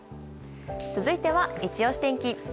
続いては、いちオシ天気。